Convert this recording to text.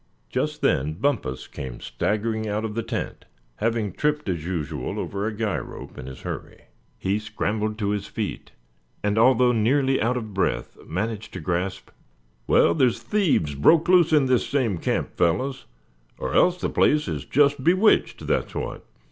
Just then Bumpus came staggering out of the tent, having tripped as usual on a guy rope in his hurry. He scrambled to his feet, and although nearly out of breath, managed to grasp: "Well, there's thieves broke loose in this same camp, fellows, or else the place is just bewitched, that's what!"